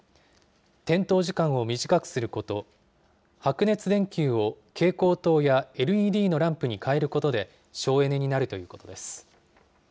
点灯時間を短くすること、白熱電球を蛍光灯やＬＥＤのランプに変えることで省エネになるということです。